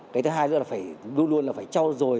cái thứ hai nữa là phải luôn luôn là phải cho rồi